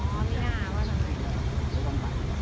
ไม่รู้โดยโดยสิอ๋อมีหน้าว่าต้องไปก่อน